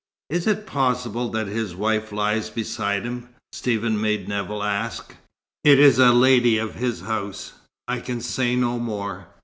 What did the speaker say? "Is it possible that his wife lies beside him?" Stephen made Nevill ask. "It is a lady of his house. I can say no more.